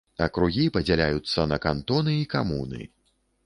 Акругі падзяляюцца на кантоны і камуны.